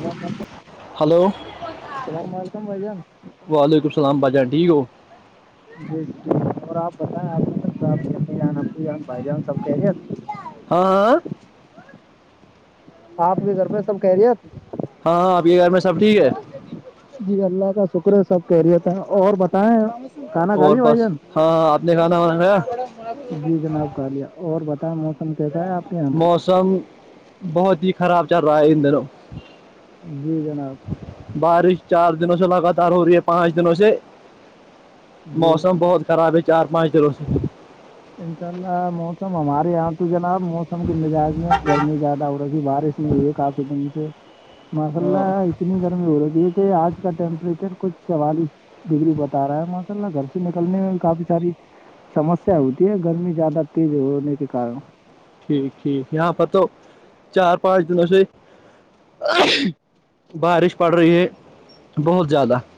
السلام علیکم ہلو السلام علیکم بھائی جان [inaudible] وعلیکم السلام باچان ٹھیک ہو جی جی اور آپ بتائیں آپ آپ امی جان اپو جان بھائی جان سب کہہریت [inaudible] ہاں ہاں [inaudible] آپ کے گھر پہ سب کہہ رہیےت ہاں ہاں آپ کے گھر میں سب ٹھیک ہے جی اللہ کا شکر ہے سب کہہرییےت تھا اور ب اور بس ہاں آپ نے کھانا وانا کھایا جی جناب کہالیا اور بتائیں موسم کیسا ہے آپ کے یہاں پہ موسم بہت ہی خراب چل رہا ہے ان دنوں جی جناب بارش چار دنوں سے لگاتار ہو رہی ہے پانچ دنوں سے جی موسم بہت خراب ہے چار پانچ دنوں سے انشاء اللہ موسم ہمارے یہاں تو جناب موسم کے مزاج میں گرمی زیادہ ہو رہی ہے بارش [inaudible] ہوئی کافی دن سے [inaudible] مساللہ ہاں اتنی گرمی ہو رہے گی کہ آج کا ٹیمپریچر کچھ چوالیس ڈگری بتا رہا ہے ماشاء اللہ گھر سے نکلنے میں کافی ساری سمس ھ ہوتی ہے گرمی زیادہ تیز ہونے کے کن [inaudible] ٹھیک ٹھیک یہاں پر تو چار پانچ دنوں سے بارش پڑ رہی ہے بہت زیادہ [inaudible]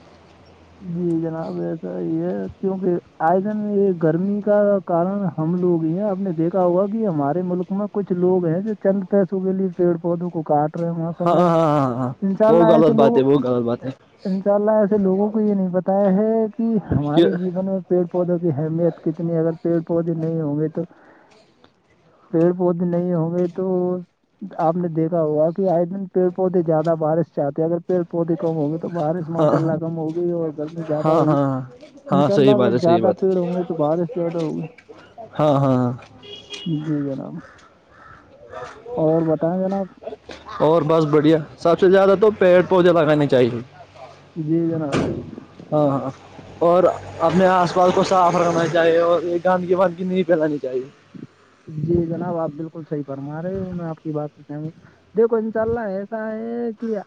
جی جناب ایسا یہ ہے کیونکہ آئے دن یہ گرمی کا کارن ہم لوگ یہ ہیں آپ نے دیکھا ہوگا کہ ہمارے ملک میں کچھ لوگ ہیں جو چند پسوں کے لیے پیڑ پودوں کو کاٹ رہے ماشاء ہاں ہاں اللہ ہاں ہاں ان شاء وہ اللہ ایسے غلط بات ہے لوگ وہ غلط بات ہے ان شاء اللہ ایسے لوگوں کو یہ نہیں بتایا ہے کہ کہ ہمارے جیون میں پیڑ پودوں کی اہمیت کتنی اگر پیڑ پودے نہیں ہوں گے تو پیڑ پودے نہیں ہوں گے تو آپ نے دیکھا ہوا کہ آئے دن پیڑ پودے زیادہ بارش سے آتے ہیں اگر پیڑ پودے کم ہوں گے تو تو بارش ہاں ماسء ہاں اللہ کم ہوگی گرمی زیادہ ہاں ہوگی ہاں ان ہاں شاء اللہ صحیح بات اگر ہے صحیح زیادہ بات ہے پیڑ ہوں گے تو بارش زیادہ ہوگا ہاں ہاں ہاں جی جناب اور بتائیں جناب اور بس بڑھیا سب سے زیادہ تو پیڑ پودے لگانے چاہیے جی جناب ہاں ہاں ہاں اور اپنے آس پاس کو صاف رکھنا چاہیے اور یہ گدگی بدگی نہیں پھیلانی چاہیے جی جناب آپ بالکل صحیح فرما رہے ہو میں آپ کی بات سے کہا دیکھو انشاء اللہ ایسا ہے کیا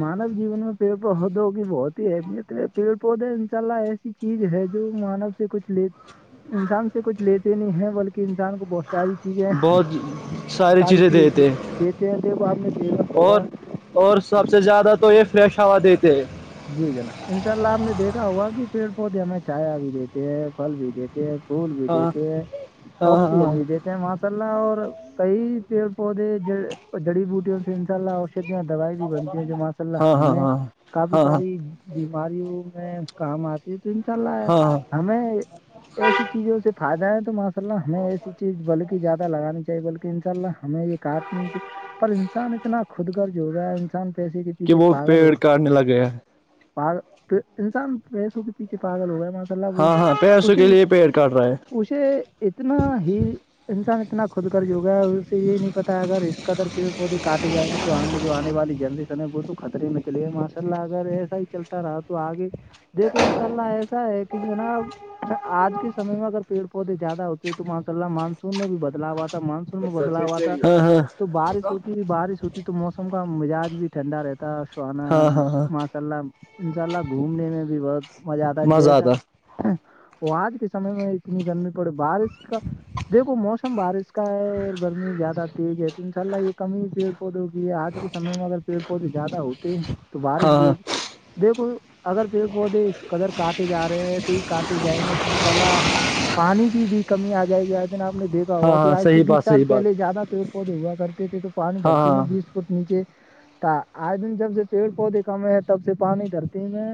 مانو جیون میں پیڑ پودوں کی بہت ہی ابت پیڑ پودے انشاء اللہ چیز ہے جو مانو سے کچھ لی انسان سے کچھ لیتے نہیں بلکہ انسان کو بہت ساری چی چیزیں بہت ساری چیزیں دیتے ہیں دیتے ہیں دیکو آپ نے دیکھا اور ہوگا اور سب سے زیادہ تو یہ فریش ہوا دیتے ہیں جی جناب ان شاء اللہ آپ نے دیکھا ہوا کہ پیڑ پودے ہمیں چایا بھی دیتے ہیں ھل بھی دیتے پھول بھی ہاں دیتے ہیں ہاں آکسیجن ہاں بھی دیتے ماشا اللہ اور کئی پیڑ پودے جڑی بوٹیوں سے انشاء اللہ دوائیں بھی بنتی ہیں جو ماشاء ہاں اللہ ہاں ہم ہاں کافی ہاں ہاں ساری بیماریوں میں کام آتے ہے تو انشاء اللہ ہاں ہاں ہمیں ایسی چیزوں سے فائدہ ہے تو ماشاء اللہ ہمیں ایسی چیز بلکہ زیادہ لگانی چاہیے بلکہ ان شاء اللہ ہمیں ایک کاٹنی چیے پر انسان اتنا خود گرج ہو گیا انسان پیسے کی کہ وہ پیڑ کاٹنے لگ گیا ہے پاگل انسان پیسوں کے پچھیے پاگل ہو گا ہاں ہاں پیسوں کے لیے پیڑ کٹ رہا ہے اسے اتنا ہی انسان اتنا خود غرض ہو گیا ہے اسے یہ نہیں پتا اگر اس کا در پڑ پودے کاٹے جیں گے تو پجو آنے والی جنریشن ہے وہ تو خطرے میں چلےا ماشاء اللہ اگر ایسا ہی چلاتا رہا تو آگے دیکھو انشاء اللہ ایسا ہے کہ جنا آج کےمو سم میں اگر پیڑ پودے زیادہ ہوتے تو ماشا اللہ مانسون میں بھی بدلاؤ آتا مانسون میں بدلاؤ آاتا ہاں ہاں تو بارش ہوتی بارش ہوتی تو موسم کا مزاج بھی ٹھنڈا رہتا سہانا ہاں ہاں ہاں ماشاء اللہ انشاء اللہ گھومنے میں بھی بہت مزہ آتا ہے جیسا وہ آج کے سمے میں اتنی گرمی پڑی بارش کا دیکھو موسم بارش کا ہے اور گرمی زیادہ تیز ہے تو انشاء اللہ یہ کمی ہی پیڑ پودوں کی آج کے سمے میں اگر پیڑ پودے زیادہ ہوتے ہیں تو بارش ہاں بھی ہاں ہوتی دیکھو اگر پیڑ پودے اس قدر کاٹے جا رہے ہیں ایسے ہی کاٹے جائیں گے تو انشاء اللہ پانی کی بھی کمی آ جائے گی اگرآپ نے دیکھا ہاں ہوا ہاں آج سے صحیح بیس بات سال صحیح بات پہے زیادہ پیڑ پودے ہوا کرتے تھے تو پانی ہاں دھرتی میں ہاں بیس پٹ نیچے تھا آئے دن جب سے پیڑ پودے کمے ہیں تب سے پانی دھرتی میں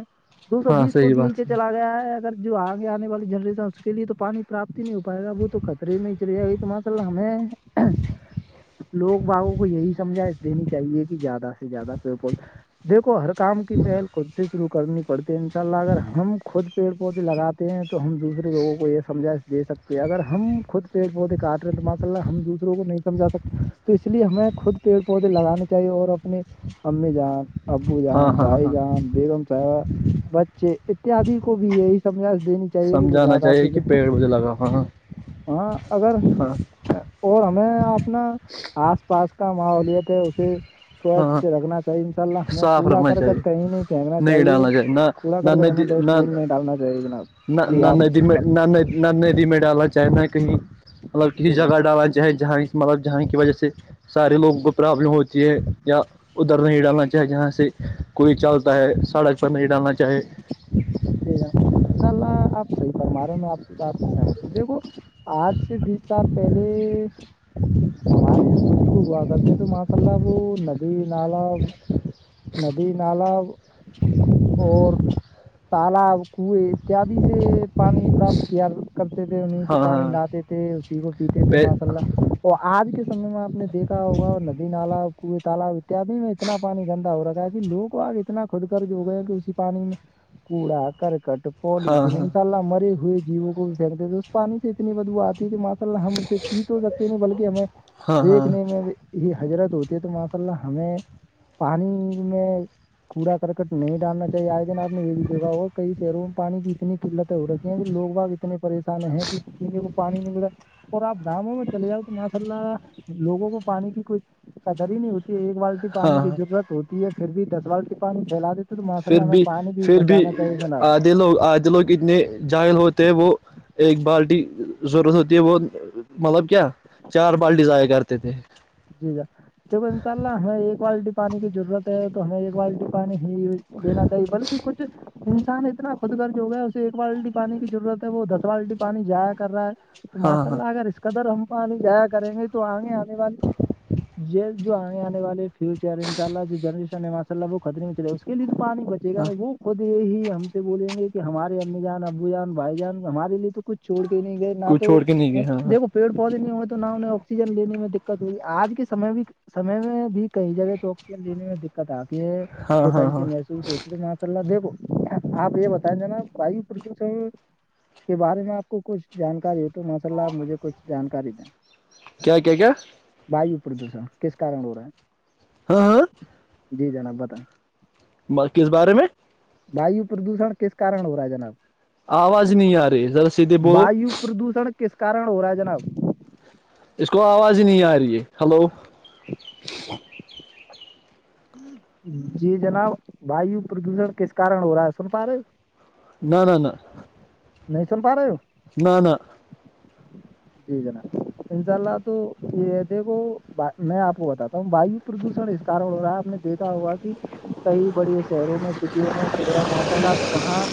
دو سو ہاں بیس صحیح فٹ نیچے بات ہے چلا گیا ہے اگر جو آ گے آنے والی جنریشن اس کے لیے تو پانی پراپتی نہیں ہو پائے گا وہ تو خطرے میں اچر گی تمہاصل ہمیں لوگ باگوں کو یہی سمجھا دینی چاہیے کہ زیادہ سے زیادہ پیڑ پودے دیھکو ہر کام کی پہل خود سے شروع کرنی پڑتی ان سے چلہ اگر ہم خود پیڑ پودے لگاتے ہیں تو ہم دوسرے لوگوں کو یہ سمجھا دے سکتے کہ اگر ہم خود پیڑ پودے کاٹ رہے ہیں تو ماشاء اللہ ہم دوسروں کو نہیں سمجھا سکتے تو اس لیے ہمیں خود پیڑ پودے لگانے چاہیے اور اپنے امی جان ابو ہاں جان ہاں بھائی ہاں جان بیگم صاحبہ بچے اتیادی کو بھی یہی سمجھا دینی چاہیے گ وہ سمجھانا زیادہ چاہیے پھر کہ پیڑ مجھے لگا ہاں ہاں اگر ہاں اور ہمیں اپنا آس پاس کا ماحولت ہے اسے ہاں سوچھ رکھنا [unintelligible] ہمیں صاف کوڑا رکھنا چاہیے کرکٹ کہیں نہیں پھینکنا نہیں چاہیے ڈالنا نہ کوڑا نہ کرکٹ ہمیں ندی ڈسٹ نہ بین میں ڈالنا چاہیے جناب جی نہ آپ کچھ پر ندی ڈالانا چاہنا کہیں مطلب کسی جی جگہ جناب ڈالا چاہے جہاں مطلب جہاں کی وجہ سے سارے لوگوں کو پرابلم ہوتی ہے یا ادھر نہیں ڈالنا چاہے جہاں سے کوئی چلتا ہے سڑک پر نہیں ڈالنا چاہے جی ہ انشاء اللہ آپ صحیح فرما رہے ہو میں آپ بات سے سہمت ہ دیکھو آج سے بیس سال پہلے ہمارے جو بزرگ ہوا کرتے تو وہاں سے سو ندی نالی ندی نالی اور تالاب کنویی سے پانی پراپت کیا کرتے تھے انہیں سے ہاں پانی ہاں لاتے تھے اسی کو پیتے تھے ماشاء اللہ اور آج کے سمے میں آپ نے دیکھا ہوگا ندی نالا کنویں تالاب اتیادی میں اتنا پانی گندا ہو رکھا ہے کہ لوگ کو آگ اتنا خود کر جو گیا کہ اسی پانی میں کوڑا کررکٹ پال ہاں ہاں تمسا ہاں الا مری ہوئے جیو بھی پھین دیتے تھ اس پانی سے اتنی بدو آتی ہے کہ م ہم اسے پی تو سکتے نہیں بلکہ ہمیں ہاں دیکھنے میں یہ حضرت ہوتی ہے تو ماشاء اللہ ہمیں پانی میں کوڑا کرکٹ نہیں ڈالنا چاہیے آئے دن آپ نے یہ جگہ اور کئی شہروں میں پانی کی اتنی قلتیں ہو رکی ہیں کہ لوگ باگ اتنے پریشان ہیں کہ پینے کو پانی نہیں م رہا اور آپ ڈاموں میں چلے جاؤ تو ماشاء اللہ لوگوں کو پانی کی کوئی قدر ہی نہیں ہوتی ایک وال ہاں پانی کی ہاں ضرورت ہوتی ہے پھر بھی دس بال کی پانی پھیلا دیتے تو ماشاء پھر اللہ میں پانی بھی پھر بچ بھی آدھے لوگ آدھے لوگ اتنے جائل ہوتے ہیں وہ ایک بالٹی ضرورت ہوتی ہے وہ مطلب کیا چار بالٹی ضایا کرتے تھے جی ج د انشاء اللہ ہمیں ایک والٹی پانی کی ضرورت ہے تو ہمیں ایک بٹی پانی ہی دینا چاہیے بلکہ کچھ انسان اتنا جو ہے اسے ایک بالٹی پانی کی ضرورت ہے وہ دس بالٹی پانی جایا کر رہا ہے تو ہاں ماشاء ہاں اللہ اگر اس کا کدر ہم پانی جایا کریں گے تو آئگے آنے والے یہ جو آنے آنے والے فیوچر ہے انشء اللہ جو جنریشن ہے ماشا اللہ وہ خترے میں چلے اس کے لیے تو پانی ب جھا ہاں نہیں وہ [unintelligible] خود یہی ہم سے بولیں گے کہ ہمارے امی جان ابو جان بھائی جان ہمارے لیے تو کچھ چھڑ کے نہیں گئے نہ کو تو چھوڑ کے نہیں گئے ہاں ہاں دیکو پیڑ پودے نہیں ہوئے تو نہ انہیں آکسیجن لینے میں دقت تو آج کے سمے بھی سمے میں بھی کئی جگہ تو آکسیجن لینے میں دقت آ یہ ہاں ہاں گوٹان سے ہاں می سوچے ماشا اللہ دےو آپ یہ بتائیں ج نا واو پردوشن کے بارے میں آپ کو کچھ جانکاری ہو تو ماشاء اللہ آپ مجھے کچھ جانکاری دیں کیا کیا کیا وایو پردوشن کس کارن ہو رہا ہے ہاں ہاں جی جناب بتائیں کس بارے میں وایو پردوشن کس کارن ہو رہا ہے جناب آواز ہی نہیں آ رہی ہے ذرا سیدھے بولو وایو پردوشن کس کارن ہو رہا ہے جناب اس کو آواز ہی نہیں آ رہی ہے ہلو جی جناب وایو پردوشن کس کارن ہو رہا ہے سن پا رہے ہو نہ نہ نہ نہیں سن پا رہے ہو نہ نہ [unintelligible] [inaudible] جی جناب انشاء اللہ تو یہ دیکھو میں آپ کو بتاتا ہوں وایو [unintelligible] آ نے دیکھا ہوا کہ کئی بڑے شہروں میں سٹیوں میں چلے جاؤ ماشاء اللہ تو وہاں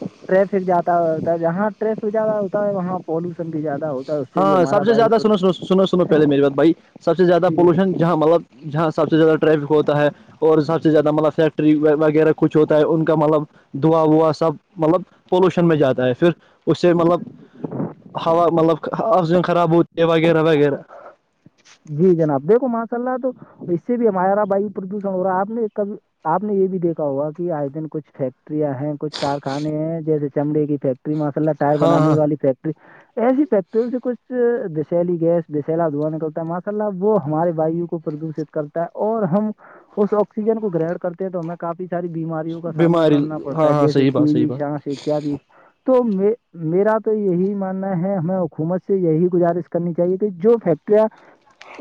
ٹریفک جیادا ہوتا ہے جہاں ٹریفک زیادہ ہوتا ہے وہاں پالوشن بھی زیادہ ہوتا ہے اس بھی ہاں ہمارا سب سے وایو زیادہ پر سنو سو سنو سنو پہے میری بات بھائی سب سے زیادہ پولوشن جہاں مطلب جہاں سب سے زیادہ ٹریفک ہوتا ہے اور سب سے زیادہ مطلب فیکٹری وغیرہ کچھ ہوتا ہے ان کا مطلب دعا ووا سب مطلب پولوشن میں جاتا ہے پھر اس سے مطلب ہوا مطلب افظن خراب ہوتی ہیں وغیرہ وغیرہ جی جناب دیکھو ماشاء اللہ تو اس سے بھی ہمارا وایو پردوشن ہو رہا ہے آپ نے کب آپ نے یہ بھی دیکھا ہوگا کہ آج دن کچھ فیکٹریاں ہیں کچھ کارخانے ہیں جیسے چمڑے کی فیکٹری میں لہ ٹائر ہاں بنان ہاں والی فیکٹری ایسی فیکٹریوں سے کچھ دسیلی گسسلا ادوان کا ماشاء اللہ وہ ہمارے وایو کو پردوشت کرتا ہے اور ہم اس آکسیجن کو گرہر کرتے ہیں تو ہمیں کافی ساری بیماریوں کا سامنا بیماری کرنا پڑتا ہاں ہے ہاں جیسے صحیح ٹی بات صحیح وی بات سانس اتیاد تو میں میرا تو یہی ماننا ہے ہمیں حکومت سے یہی گزارش کرنی چاہیے کہ جو فیکٹریاں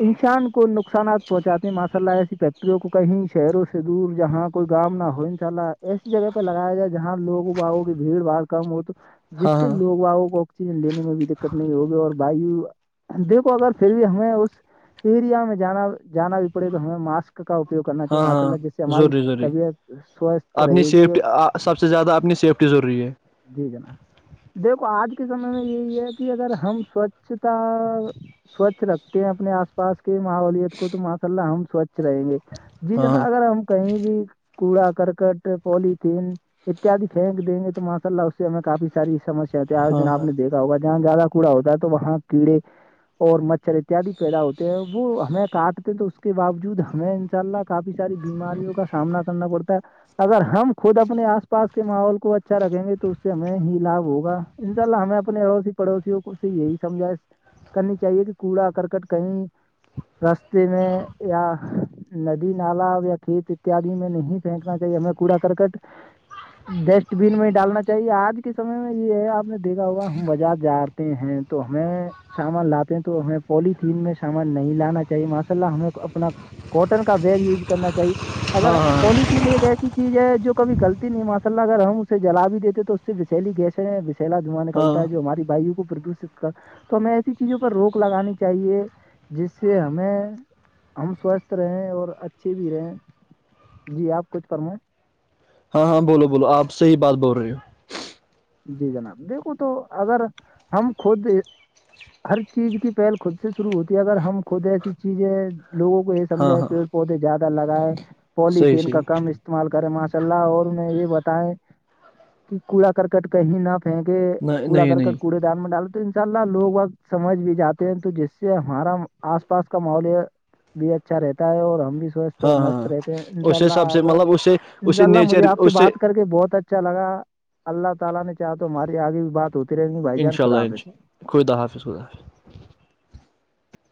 انسان کو نقصانات پہنچاتے ہیں ماشاء اللہ ایسی فیکٹریوں کو کہیں شہروں سے دور جہاں کوئی گام نہ ہو نہیں چا ایسی جگہ پہ لگایا جائے جہاں لوگوں باگوں کی بھیڑ باڑ کم ہو تو جس ہاں سے ہاں لوگ آؤ کو آکسیجن لینے میں بھی دقت نہیں ہوگی اور وایو دیکھو اگر پھر بھی ہم اس ایریا میں جا جانا بھی پڑے تو ہمیں ماسک کا اپیوگ کرنا ہاں چاہیے ماشاء ہاں اللہ جس سے ہماری ضروری ضروری طبیعت سوستھ اپنی رہے گی اور سیفٹی سب سے زیادہ اپنی سیفٹی ضروری ہے جی جناب [inaudible] [unintelligible] دیکھو آج کے سمے میں یہی ہے کہ اگر ہم سوچھتا سوچھ رکھ ہیں اپنے آس پاس کے ماحولت کو تو ماشاء اللہ ہم سوچھ رہیں گے جی ہاں جنا اگر ہم کہیں بھی کوڑا کرکٹ پولیتھیین اتیاد پھینک دیں گے تو ماشاء اللہ اس سے ہمیں کافی ساری سسیا ہوتی آج ہاں دن آپ ہاں نے دیکھا ہوگ جہاں زیادہ کوڑا ہوتا ہے تو وہاں کیڑے اور مچھر اتدی پیدا ہوتے ہیں وہ ہمیں کاٹتے ہیں تو اس کے باوجود ہمیں انشاء اللہ کافی ساری بیماریوں کا سامنا کرنا پڑتا ہے اگر ہم خود اپنے آس پاس کے ماحول کو اچھا رکھیں گے تو اس سے ہمیں ہی لابھ ہوگا انشاء اللہ ہمیں اپنے اڑوسی پڑوسیوں کو سے یہی سمجھ کرنی چاہیے کہ کوڑا کرکٹ کہیں رستے میں یا ندی نال یا کھیت اتیاد میں نہیں پھینکنا چاہیے ہمیں کوڑا کرکٹ ڈسٹ بین میں ہی ڈالنا چاہیے آج کے سمے میں یہ ہے آپ نے دیکھا ہوگا ہم بازار جاے ہیں تو ہمیں سامان لاتے ہیں تو ہمیں پولیتھیین میں شامل نہیں لانا چاہیے ماشاء اللہ ہمیں اپنا کوٹن کا بیگ یوز کرنا چاہیے اگر ہاں ہاں ہاں پلی لیے ایک ایسی چیز ہے جو کب غلطی نہیں ماشاء اللہ اگر ہم اسے جلا بھی دیتے تو اس سے بلی گیس چلا دھوا نکلتا ہاں ہے جو ہماری بھائی کو پردوشت کر تو ہمیں ایسی چیزوں پر روک لگانے چاہیے جس سے ہمیں ہم سوستھ رہے اور اچھے بھی رہے جی آپ کچھ فرمائیں ہاں ہاں بولو بولو آپحی بات بول رہے ہو جی جناب دیکھو تو اگر ہم خود ہر چیز کی پہل خود سے شروع ہوتی ہے اگر ہم خود ایسی چیزیں لووں کو یہ ہاں سمجاائے ہاں پیڑ پودے زیادہ لگائے صحیح پولیتین کا صحیح کم استعمال کریں ماشاء اللہ اور انہیں یہ بتائیں کہ کوڑا کرکٹ کہیں نہ ہیں کہ کوڑا نہیں نہیں کرک کوڑے دان میں ڈالو تو ان شاء اللہ لوگ وقت سمجھ بھی جاتے ہیں تو جس سے ہمارا آس پاس کا ماحول ہے بھی اچھا رہتا ہے اور ہم بھی سوستھ اور ہاں مست ہاں رہتے ہیں ان شاء اس اللہ حساب سے اگر مطلب اس سے اس انشاء سے اللہ مجھے نیچر آپ سے اس بات کر کے بہت اچھا لگا اللہ تعالی نے چاہا تو ہماری آگے بھی بات ہوتی رہے گی بھائی ان جان شاء خدا اللہ ان حافظ شاء خدا حافظ حافظ